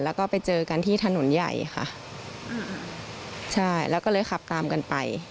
แล้วก็ไปเจอกันที่ถนนใหญ่ค่ะใช่แล้วก็เลยขับตามกันไป